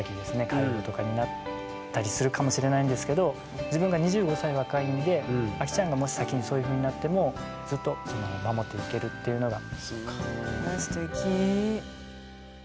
介護とかになったりするかもしれないんですけど自分が２５歳若いんでアキちゃんがもし先にそういうふうになってもずっと守っていけるっていうのが。